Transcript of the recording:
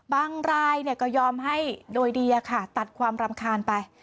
รายก็ยอมให้โดยดีตัดความรำคาญไป